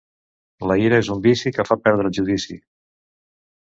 La ira és un vici que fa perdre el judici.